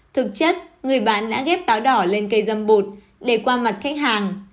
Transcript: thực chất người bán đã ghép táo đỏ lên cây dâm bụt để qua mặt khách hàng